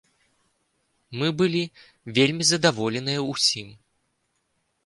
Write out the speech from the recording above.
Мы былі вельмі задаволеныя ўсім.